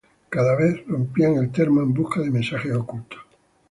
Cada vez, rompían el termo en busca de mensajes ocultos.